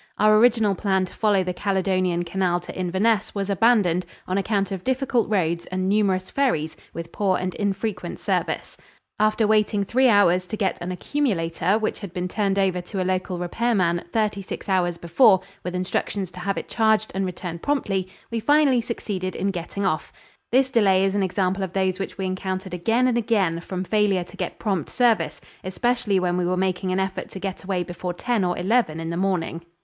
Our original plan to follow the Caledonian Canal to Inverness was abandoned on account of difficult roads and numerous ferries with poor and infrequent service. After waiting three hours to get an "accumulator" which had been turned over to a local repair man thirty six hours before with instructions to have it charged and returned promptly, we finally succeeded in getting off. This delay is an example of those which we encountered again and again from failure to get prompt service, especially when we were making an effort to get away before ten or eleven in the morning.